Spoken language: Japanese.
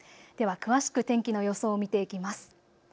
では詳しく天気の予想を見ていきます。